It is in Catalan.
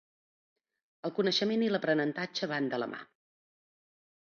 El coneixement i l'aprenentatge van de la mà.